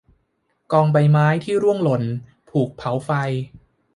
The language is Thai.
กองใบไม้ที่ร่วงหล่นถูกเผาไฟ